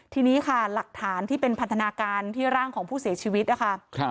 ทีนี้ค่ะหลักฐานที่เป็นพันธนาการที่ร่างของผู้เสียชีวิตนะคะ